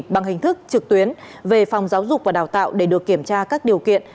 bằng hình thức trực tuyến về phòng giáo dục và đào tạo để được kiểm tra các điều kiện